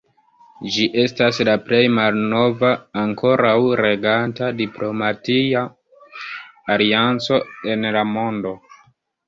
Ĝi estas la plej malnova ankoraŭ reganta diplomatia alianco en la mondo.